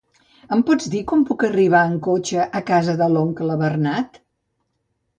Em pots dir com puc arribar en cotxe a casa de l'oncle Bernat?